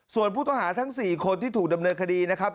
ส่วนผู้ต้องหาทั้ง๔คนที่ถูกดำเนินคดีนะครับ